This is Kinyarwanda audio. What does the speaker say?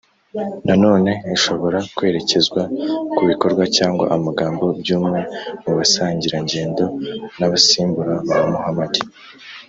nanone ishobora kwerekezwa ku bikorwa cyangwa amagambo by’umwe mu basangirangendo n’abasimbura ba muhamadi